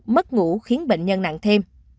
mất ngủ khiến bệnh nhân nặng thêm